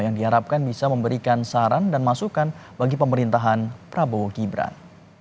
yang diharapkan bisa memberikan saran dan masukan bagi pemerintahan prabowo gibran